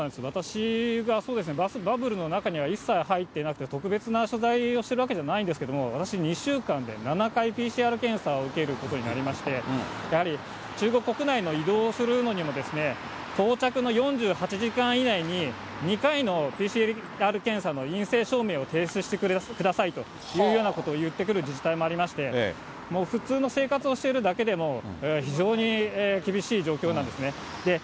私がバブルの中には一切入ってなくて、特別な取材をしてるわけじゃないんですけれども、私、２週間で７回、ＰＣＲ検査を受けることになりまして、やはり中国国内の移動をするのにも、到着の４８時間以内に、２回のＰＣＲ検査の陰性証明を提出してくださいというようなことを言ってくる自治体もありまして、もう普通の生活をしているだけでも、非常に厳しい状況なんですね。